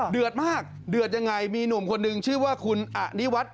เดือดมากเดือดยังไงมีหนุ่มคนนึงชื่อว่าคุณอนิวัฒน์